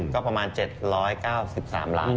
ก็ประมาณ๗๙๓ล้าน